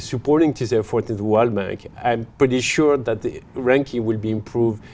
theo nhiều chuyên gia kinh tế